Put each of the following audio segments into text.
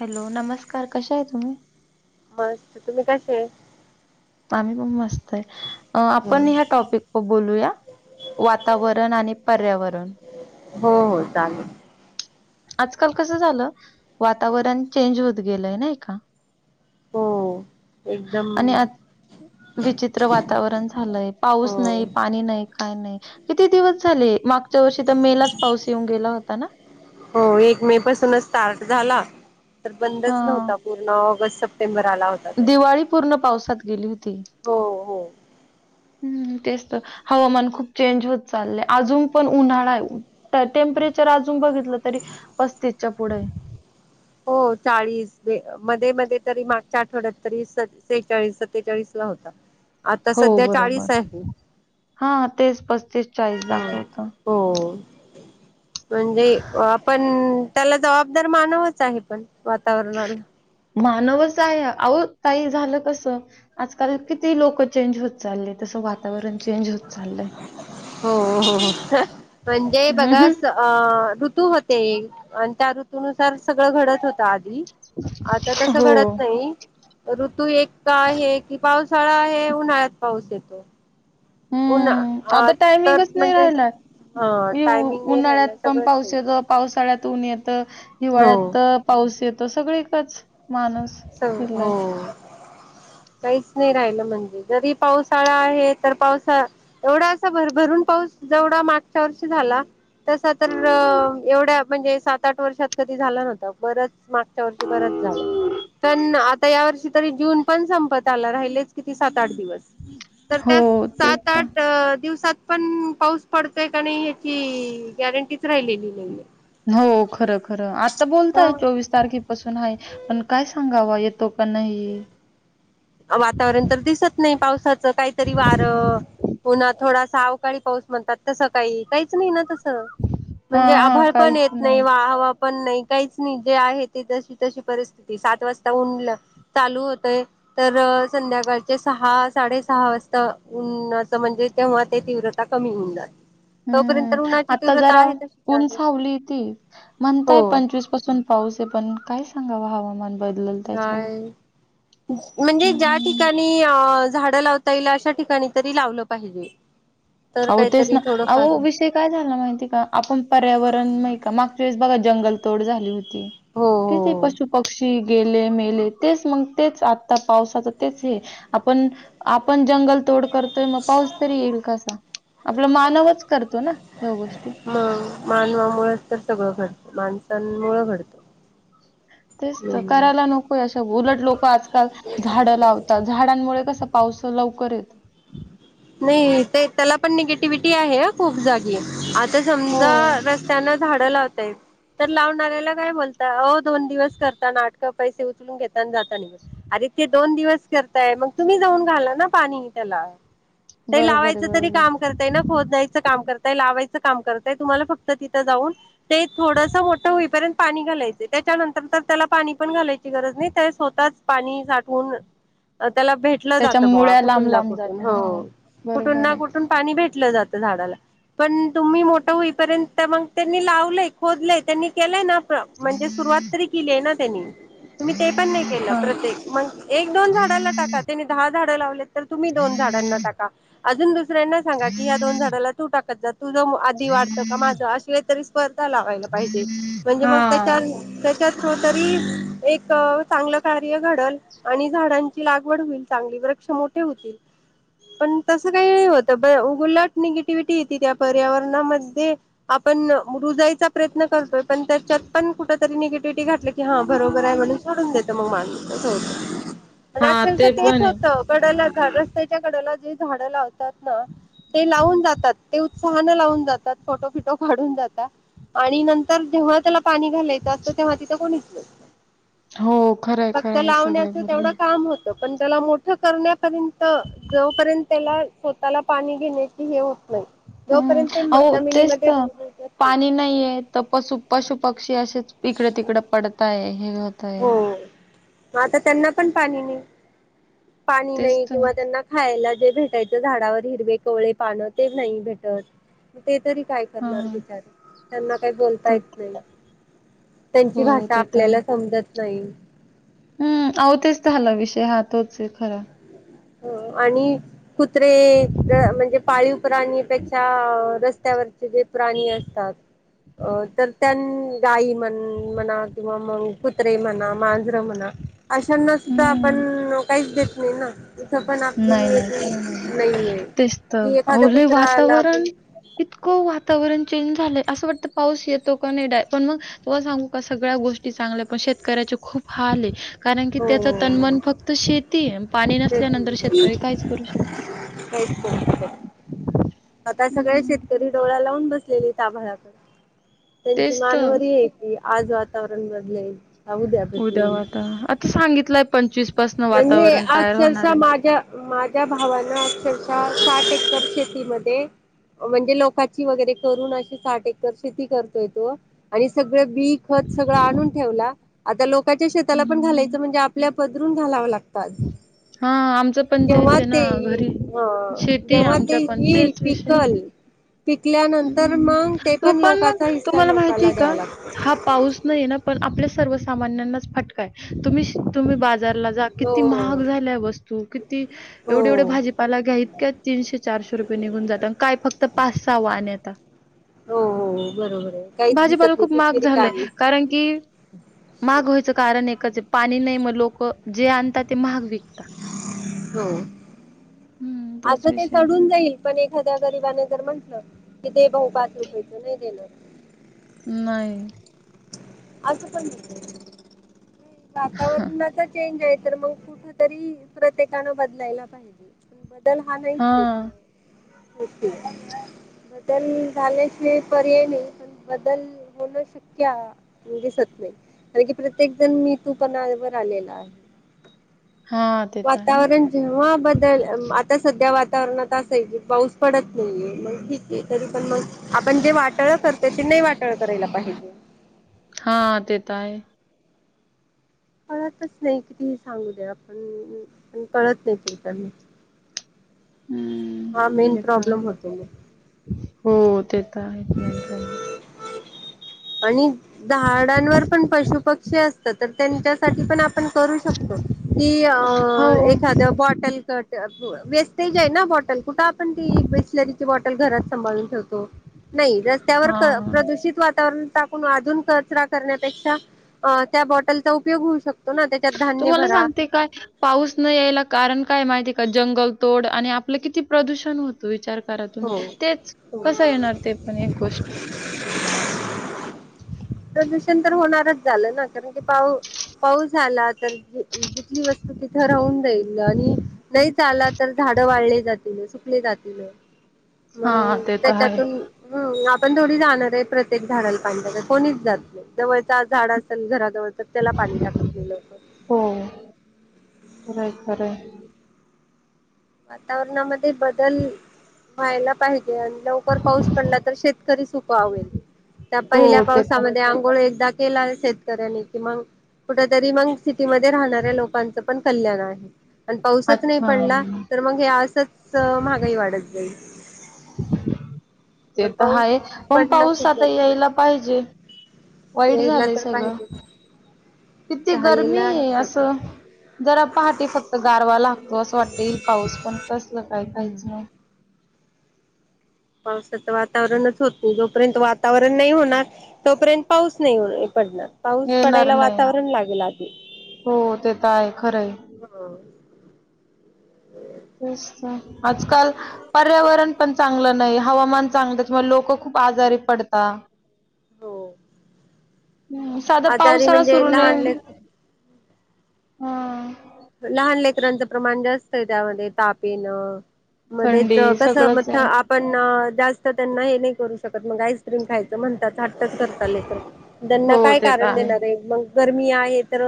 Hello नमस्कार कशा आहे तुम्ही.... मस्त तुम्ही कसे आहे... आही प मस्त आहे हो आपण ह्या टॉपिक..... बोलूया वातावरण आणि पर्यावरण.... हो हो चालेल..... आजकाल कस झालं वातावरण चेंज होत गेलंय नाही का.... हो एकदम... आणि आत विचित्र वातावरण झालंय हो पाऊस नाही पाणी नाही काय नाही... किती दिवस झाले मागच्या वर्षी तर मे लाच पाऊस येऊन गेला होता ना... हो एक मे पासूनच स्टार्ट झाला तर हा बंदच नव्हता पूर्ण ऑगस्ट सप्टेंबर.... आला होता तर दिवाळी पूर्ण पावसात गेली होती हो हो ह्म तेच तर हवामान खूप चेंज होत चाललंय अजून पण उन्हाळा आहे ट्परेचर अजून बघितलं तरी पस्तीसच्या पुढे ह हो चाळीस मध्ये मध्ये तरी मागच्या आठवड्यात तरी सेहेचाळीस सत्तेचाळीस ला होता आता हो सध्या चाळीस आहे बरोबर हा तेच पस्तीस चाळीस दाखवत हो म्हणजे आपण त्याला जबाबदार मानवच आहे पण वातावरणल मानवच आहे अहं काही झालं कसं आजकाल किती लोक चेंज होत चालले त अस वातावरण चेंज होत चाललंय हो हो म्हणजे बघा हम्म. ऋतू होते आणि त्या ऋतुनुसार सगळं घडत होत आ आता तस हो. घडत नाही ऋतू एक आहे कि पाऊस थळा हे उन्हाळ्यात पाऊस येतो हम्म उन्हा आता तर टायमिंगच नाही म्हणजे राहिला हा टायमिंग नाही उन्हाळ्यात राहिला पण सगळं पाऊस येतो पावसाळ्यात उऊन येत हिवाळ्यात पाऊस येत त सगळ एकच सग हो काहीच नाही राहिलं म्हणजे जरी पावसाळा आहे तर पावसा एवढा असा भरभरून पाऊस जेवढा मागच्या वर्षी झाला तस तर एवढ्या म्हणजे सात आठ वर्षात कधी झाला नव्हतं बरंच त्या वती बरंच झालं आता या वर्षी तरी जून पण संपत आला राहिलेच किती सात आठ दिवस तर हो, त्या तेच सात तर. आठ दिवसात पण पाऊस पडतोय का नाही ह्याची गॅरंटीच राहिलेली नाही हो खर खरं आता बोलताय हा चोवीस तारखेपासून आहे पण काय सांगाव येत तो का नाही वातावरण तर दिसत नाही पावसाचं काहीतरी वारं पुन्हा थोडासा अवकाळी पाऊस म्हणतात तसं काही काहीच नाही ना तस म्हणजे हां, हां. आभळ पण काहीच येत नाही वा पण नाही काहीच नाही जे आहे ते तशी तशी परिस्थिती सात वाजता उनल चालू होतय तर संध्याकाळचे सहा साडे सहा वाजता ऊन म्हणजे तेव्हा ते तीव्रता कमी होईणार हम्म आता जरा तशीच उन आहे सावली ती म्हणताय हो पंचवीस पासून पाव पास पण काय सांगाव हवामान बदलल त्याच्यावर. काय म्हणजे ज्या हं. ठिकाणी अ झाड लावता येईल अशा ठिकाणी तरी लावलं पाहिजे तर हो तेच काहीतरी ना अह थोडंफार विषय काय झाला माहिती का आपण पर्यावरण मा का माग बघा जंगल तोड झाली होती हो क हो. पशु पक्षी गेले मेले तेच मग तेच आता पावसाच तेच हे आपण आपण जंगल तोड करतोय मग पाऊस तरी येईल कासा गोष्टी. मग मानवामुळेच तर सगळं घडत माणसां मुळं घडत तेच तर करायला नको अशा उलट लोक आजकाल झाडं लावतात झाडांमुळे कसं पावस लवकर येत नाही ते त्याला पण निगेटिव्हटी आहे खूप जागी आता हो समजा रस्त्यान झाड लावताय तर लावून आल्याला काय बोलता अ दोन दिवस करतानाटकं पैसे उचलून घेत जाता अरे ते दोन दिवस करताय मग तुम्ही जाऊन घाला ना पाणी त्याला ते बरोबर आहे लावायचं तरी बरोबर काम करताय ना खोदण्यायचं काम करताय लावायचं तुम फक् तिथ जाऊन ते थोडठं होईपर्यंत पाणी घालायच त्याच्यानंतर तर त्याला पाणी पण घालायची गरज नाही त्या स्वतःच पाणी साठवून त्याला भेटलं त्याच्या जातं बा मुळ्या लांब कुठंना लांब कुठून जात्या हो हा बरोबर कुठना आहे कुठून पाणी भे लं जात झाडाला पण तुम्ही मोठं होईपर्यंत मग त्यांनी लावलंय खोदलंय त्यांनी केलंय ना म्हणजे सुरुवात तरी केली आहे ना त्यांनी तुम्ही ते पण नाही केलं हा प्रत्येक मग एक दोन झाडाला टाका त्यांनी दहा झाडं लावले तर तुम्ही दोन झाडांना टाका अजून दुसऱ्यांना सांगा की या दोन झाडा तू टाकत जात तुझं आधी वाढतं का माझं अशी कातरी स्पर्धा लावायला पाहिजे म्हणजे मग हा त्याच्या त एक चांगलं कार्य घडल आणि झाडांची लागवड होईल चांगली वृक्ष मोठे होतील पण तसं काही नाही होत उगुलाट निगेटिव्हिटी यती त्या पर्यावरणामध्ये आपण ु प्रयत्न करतोय पण त्यात पण कु नि टीटी घातलं की हा बरोबर आहे म्हणून सोडून देत मग माणो हा अक्षरशः ते तेच पण आहे होत कडला रस्त्याच्या कडला जे झाड लावत ते लावून जातात ते उत्साहने लावून जातात फिो फिटो काढून जाता आणि नंतर जेव्हा त्याला पाणी घालायचं असतं तेव्हा तिथे कोणीच हो खरंय फक्त खरंय हे सगळं लावण्याच बरोबर तेवढं आहे काम होतं पण त्याला मोठं करण्यापर्यंत जोपर्यंत त्याला स्वतःला पाणी घेण्याची हे होत नाही हम्म जोपर्यंत ते अ तेच जमिनीमध्ये रुजत नाही पाणी नाहीय तर पशु पशु पक्षी असेच तिकडं तिकडं पडताय हे होतय हो आता त्यांना पण पाणी नाही पाणी तेच नाही तर किंवा त्यांना खायला जे भेटायचं झाडावर हिरवे कवळे पान ते नाही भेटत ते तरी काय हा करणार बिचार त्यांना काही बोलता ते येत नाही हो त्यांची भाषा ते तर आहे आपल्याला समजत नाही हम्म आवतेच त्या हला विषय हातोच खरा आणि कुत्रे म्हणजे पाळी उप राणीपेक्षा रस्ते त्यावरचे जे प्राणी असतात अ तर त्यां गाई म्हण म्हणा किंवा मग कुत्रे म्हणा मांजरं म्हणा अशांना सुद्धा हम्म आपण काहीच देत नाही ना तथ पण आपली नाही, नाही. खरं नाही भेटत. नाहीये तेच तर. की एखादा अहो लय कुत्रा आला वातावरण आपण इतकं वातावरण चेंज झालंय असं वाटतं पाऊस येतो का नाही डा पण मग तु्हा सांगू का सगळ्या गोष्टी चांगल्या पण शेतकऱ्याचे खूप हार कारण की त्याचा हो तनमन फक्त शेती पाणी तेच नसल्यानंतर शेतकरी काहीच करू शकत नाही. काहीच आता सगळे हं. शेतकरी डोळ्या लावून बस लेली ताभडक त्यांची तेच तर. मानवर आहे की आज वातावरण बदलेल का उद्या भेटलेल वाता आता सांगितलंय पंचवीस म्हणजे अक्षरशः माझ्या माझ्या भावाना अक्षरशः साठ सचेती मध्ये म्हणजे लोकची वगैरे करून अ साठ एककर शेती करतोय तो आणि सगळं बी आणून ठेव आता लोच्या शेला पण घालायच हं. म्हणजे आपल्या पदरून घालाव लागत पाजी हा आमचं पण ते विच आहे ना घरी हा शेती जेव्हा ते आमच्या पण येईल तेच विषय पिकल पिकल्यानंतर ् मग ते तू पण मग लोकाचा हिस्सा तुम्हाला माहितीय लोकाला द्यावा का लागतो हा पाऊस नाही ना पण आपल्या सर्व सामान्यांनाच फटकाय तुम्ही [unintelligible] तुम्ही किती हो महा हो झा वतू किती एवढवढ हो भाजीपाला घ्या इतक्या तीनशे चार पाशे रुपये निघून जात काय फक्त पाचचावा आणि आता हो हो बरोबर आहे काहीच भाजीपाला दिसत नाही खूप महाग पिशवी झालंय रिकामीच कारण की महाग व्हायचं कारण एकच पाणी नाही मग लोक जे आणतात ते महाग विकत हो. हं, तोच असं ते विषय आहे. चढून जाईल पण एखाद्या गरिबाने जर म्हंटलं कि दे भाऊ पाच रुपय त नाही देणार. नाही. असं पण वातावरणाचा चेंज आहे. तर मग कुठ तरी प्रत्येकान बदलायला पाहिजे. डल हा नाईचयं हां, हं तेच कि बदल झाल्यशी पर्याय नाही पण बदल होण शक्य आ दिसत नाही कारण की प्रत्येक जण मी तू पणावर आलेला आहे. हां, ते तर आहे. वातावरण जेव्हा बदल आता सध्या वात कारण आता असंय कि पाऊस पडत नाहीेये मग ठीक आहे तरी पण मग आपण जे वाटळ करतोय ते न नाई वाटळ करायला पाहिजे. हा ते त आहे. कळतच नाही कितीही सांगू दे आपण पण कळत नाही पुढच्यांना हं, हा मेन ते तर प्रॉब्लेम आहे. होतो म हो ते तर आहेच मेन प्रॉब्लेम. आणि झाडांवर पण पशु पक्षी असतात तर त्यांच्यासाठी पण आपण करू शकतो की अ हो. एखाद्या बॉटल क अ प वेस्टेज आहे ना बॉटल कुठे आपण बिसलेरी ची बॉटल घरात सांभाळून ठेवतो नाही रस्त्यावर प्र हां. प्रदुषित वातावरण टाकून अधून कचरा करण्यापेक्षा अ त्या बॉटलचा उपयोग होऊ शक तुम्हाला सांगते काय पाऊस न यायला कारण काय माहितीय का जंगल तोड आणि आपलं किती प्रदूषण होत विचार करा हो. तुम्ही तेच हो कसा येणार ते पण एक गोष्ट प्रदूषण तर होणारच झालं ना कारण की पाऊ पाऊस झाला तर जिथली वस्तू तिथं राहून जाईल आणि नाहीच आला तर झाड वाळले जातील. जातील हां, मग ते तर आहे. त्याच्यातून हं आपण पण थोडी जाणार आहे प्रत्येक झाडाला पाणी टाकायला कोणीच जात नाही जवळचा झाड असेल घरात जवळचं त्याला पाणी टाकत नाई लवकर. हो, खरं आहे, खरं आहे. वातावरणामध्ये बदल व्हायला पाहि पण लवकर पाऊस पडला तर शेतकरी सुखावेल. त्या पहिल्या हो, ते तर पावसामध्ये आंघोळ एकदा केला शेतकऱ्यांनी कि मंग कुठ तरी मंग सिटीमध्ये राहणाऱ्या लोकांच पण कल्याणय. आण पावूसचं नाही पडला अच्छा, तर मग हे असंच महागाई वाढत जाईल. ते पण तर पाऊस हाय पण पडणं पाऊस खूप आता गरजेचं आहे. यायला पाहिजे. वाईट यायला झालंय तर सगळं पाहिजेच किती झालेलं गरमी आहे हे सगळं. असं जरा पहाटे फक्त गारवा लागतो असं वाटत येईल पाऊस पण कसल काय हम्म काहीच नाही. पावसाच वातावरणच होत नाही जोपर्यंत वातावरण नाही होणार तोपर्यंत पाऊस नाही हो पडणार. पाऊस येणार पडायला नाही वातावरण लागल आधी हो ते तर आहे खरंय हो. [inaudible] तेच त आजकाल पर्यावरण पण चांगलं नाही हवामान चांगलं त्यामुळे लोक खूप प आजारी पडता. हो. हम्म साधा आजारी पावसाळा म्हणजे सुरू नाही लहान ले हा. लहान लेकरांचं प्रमाण जास्त आहे त्यामध्ये ताप येणं. मध्येच थंडी कसं म सगळंच था आहे आपण जास्त त्यांना हे नाही करू शकत मग आईस्क्रीम खायचं म्हणतात. हट्टचं करता लेकर तर त्यांना हो काय ते तर कारण आहे देणारयं मग गरमी आहे तर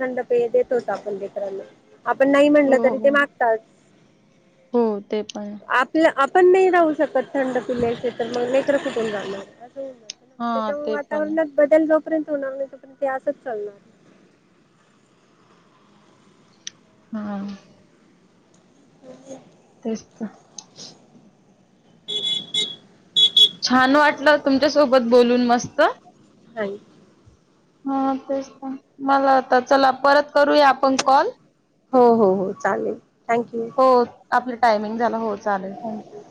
थंड पेय देतोच आपण लेकरांना. आपण नाही म्हणलं हो तरी ते हो मागतात हो ते पण आहे आपलं. पण नाही राहू शकत थंड पिल्ल्यायचे तर मग नाही तर कुठून जाऊ शकतात. हा त्यामुळे ते पण आहे वातावरणात बदल. तोपर्यंत होणार नाही तोपर्यंत ते आसच चालणार. हा [unintelligible] तेच तर. छान वाटलं तुमच्या सोबत बोलून मस्त. [unintelligible] हा तेच मला आता चला परत करूया आपण कॉल. हो हो हो चालेल. थँक्यू. हो आपलं टायमिंग झाला हो चालेल थँक्यू.